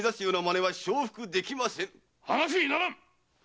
話にならん！